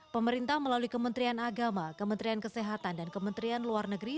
pemerintah melalui kementerian agama kementerian kesehatan dan kementerian luar negeri